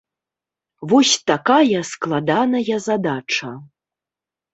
Вось такая складаная задача.